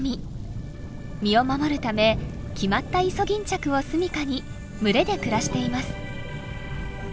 身を守るため決まったイソギンチャクを住みかに群れで暮らしています。